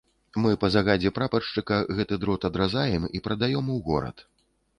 Мы па загадзе прапаршчыка гэты дрот адразаем і прадаём у горад.